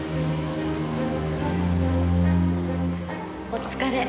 お疲れ。